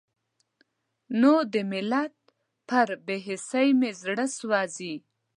نو د ملت پر بې حسۍ مې زړه سوزي.